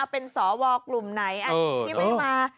เป็นสอวกลุ่มไหนอันนี้ที่มันมา